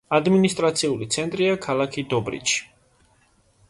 ადმინისტრაციული ცენტრია ქალაქი დობრიჩი.